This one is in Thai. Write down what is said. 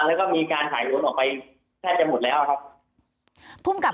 แล้วก็มีการหายล้นออกไปแค่จะหมดแล้วครับ